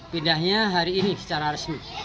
pindahnya hari ini secara resmi